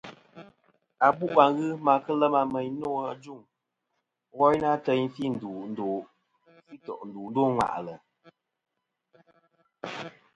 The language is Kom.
Abu' a ghɨ ma kɨ lema meyn nô ajuŋ, woyn a ateyn fi tò' ndu nô ŋwà'lɨ.